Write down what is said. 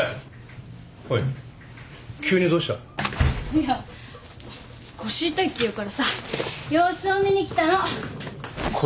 いや腰痛いって言うからさ様子を見に来たの。腰？